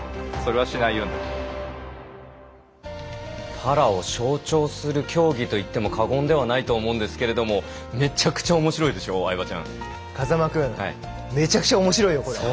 パラを象徴する競技といっても過言ではないと思うんですけれどめちゃくちゃおもしろいでしょ風間くんめちゃくちゃおもしろいよこれ。